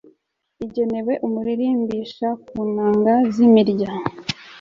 igenewe umuririmbisha. ku nanga z'imirya